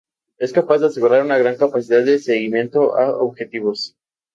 Es capaz de asegurar una gran capacidad de seguimiento a objetivos.